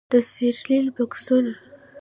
د سیریل بکسونو